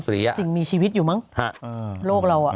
ยังไม่มีสิ่งมีชีวิตอยู่มั้งโลกเรา